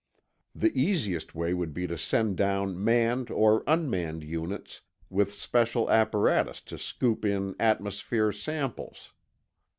The easiest way would be to send down manned or unmanned units with special apparatus to scoop in atmosphere samples.